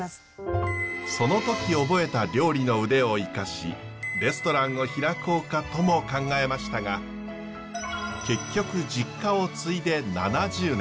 その時覚えた料理の腕を生かしレストランを開こうかとも考えましたが結局実家を継いで７０年。